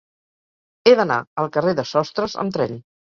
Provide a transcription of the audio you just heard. He d'anar al carrer de Sostres amb tren.